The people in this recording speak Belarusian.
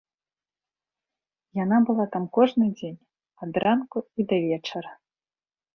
Яна была там кожны дзень, адранку і да вечара.